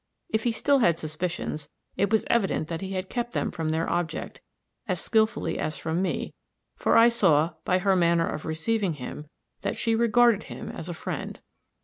If he still had suspicions, it was evident that he had kept them from their object as skillfully as from me, for I saw, by her manner of receiving him, that she regarded him as a friend.